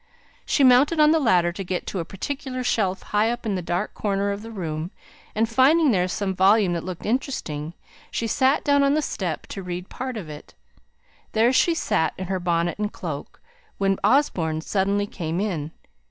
She mounted on the ladder to get to a particular shelf high up in a dark corner of the room; and finding there some volume that looked interesting, she sat down on the step to read part of it. There she sat, in her bonnet and cloak, when Osborne suddenly came in.